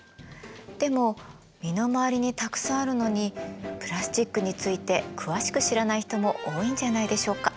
でも身の回りにたくさんあるのにプラスチックについて詳しく知らない人も多いんじゃないでしょうか？